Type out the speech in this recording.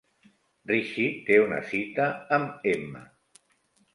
Richie té una cita amb Emma.